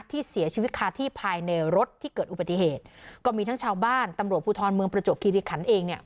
ที่เสียชีวิตคาที่ภายในรถที่เกิดอุบัติเหตุก็มีทั้งชาวบ้านตำรวจภูทรเมืองประจวบคิริขันเองเนี่ย